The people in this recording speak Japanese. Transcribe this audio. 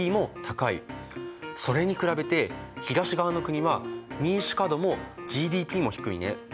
それに比べて東側の国は民主化度もＧＤＰも低いね。